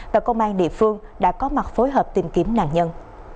và công an địa phương đã có mặt phối hợp tìm kiếm nạn nhân